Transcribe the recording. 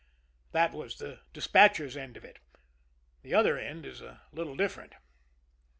That was the despatcher's end of it the other end is a little different.